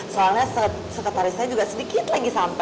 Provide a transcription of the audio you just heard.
soalnya sekretarisnya juga sedikit lagi sampe